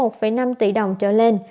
tài sản một năm tỷ đồng trở lên